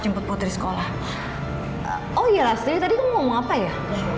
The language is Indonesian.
jemput putri sekolah oh iya tadi ngomong apa ya